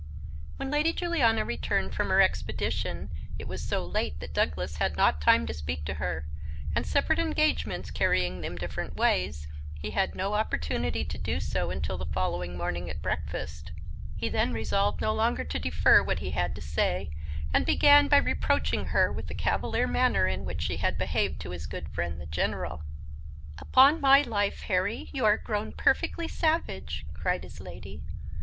_ WHEN Lady Juliana returned from her expedition, it was so late that Douglas had not time to speak to her; and separate engagements carrying them different ways, he had no opportunity to do so until the following morning at breakfast. He then resolved no longer to defer what he had to say, and began by reproaching her with the cavalier manner in which she had behaved to his good friend the General. "Upon my life, Harry, you are grown perfectly savage," cried his Lady.